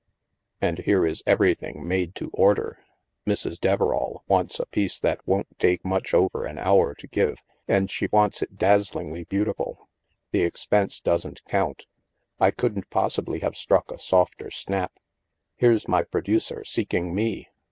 And here is ever3rthing made to order. Mrs, Deverall wants a piece that won't take much over an hour to give, and she wants it dazzingly beauti ful. The expense doesn't count. I couldn't possi bly have struck a softer snap. Here's my pro ducer, seeking me.